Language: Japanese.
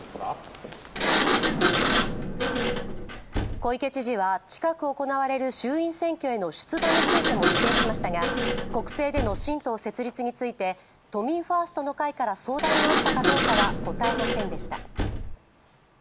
小池知事は近く行われる衆院選挙への出馬についても否定しましたが国政での新党設立について都民ファーストの会から相談があったかどうかは答えませんでした。